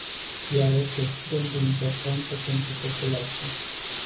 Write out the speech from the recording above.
Ea este extrem de importantă pentru populație.